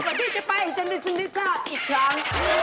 กว่าที่จะไปให้ฉันได้สินทราบอีกครั้ง